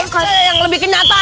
kece yang lebih kenyataan